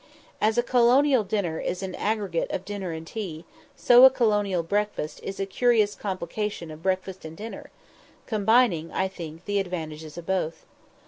As a colonial dinner is an aggregate of dinner and tea, so a colonial breakfast is a curious complication of breakfast and dinner, combining, I think, the advantages of both.